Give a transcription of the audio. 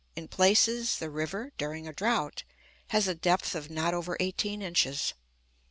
In places, the river, during a drought, has a depth of not over eighteen inches.